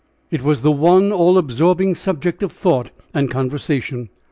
It was the one all absorbing subject of thought and conversation.